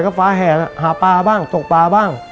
ก็ฟ้าแห่หาปลาบ้างตกปลาบ้าง